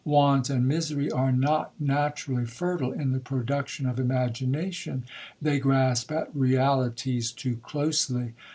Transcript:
Want and misery are not naturally fertile in the production of imagination,—they grasp at realities too closely.